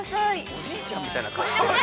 ◆おじいちゃんみたいな顔してるな。